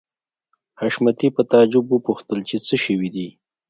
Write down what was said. حشمتي په تعجب وپوښتل چې څه شوي دي